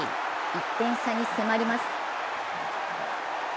１点差に迫ります。